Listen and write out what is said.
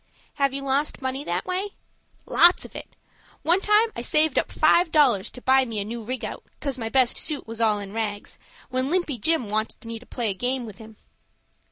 "Have you lost money that way?" "Lots of it. One time I saved up five dollars to buy me a new rig out, cos my best suit was all in rags, when Limpy Jim wanted me to play a game with him."